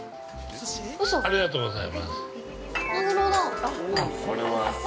ありがとうございます。